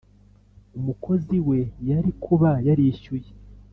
umukozi we yari kuba yarishyuye